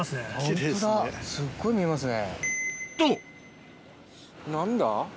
ホントだすっごい見えますね。